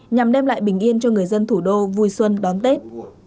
nhằm đem lại bình yên cho người dân thủ đô vui xuân đón tết